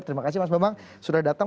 terima kasih mas bambang sudah datang